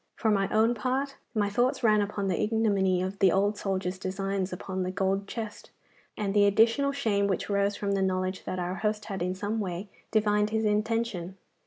For my own part, my thoughts ran upon the ignominy of the old soldier's designs upon the gold chest, and the additional shame which rose from the knowledge that our host had in some way divined his intention.